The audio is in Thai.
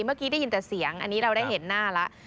เมื่อกี้ได้ยินแต่เสียงอันนี้เราได้เห็นหน้าแล้ว